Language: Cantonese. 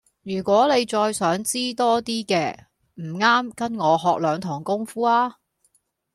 如果你再想知多啲嘅，唔啱跟我學兩堂功夫吖